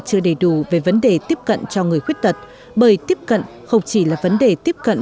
chưa đầy đủ về vấn đề tiếp cận cho người khuyết tật bởi tiếp cận không chỉ là vấn đề tiếp cận